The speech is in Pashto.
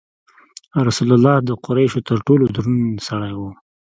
رسول الله د قریشو تر ټولو دروند سړی و.